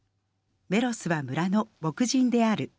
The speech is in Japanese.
メロスは村の牧人である」。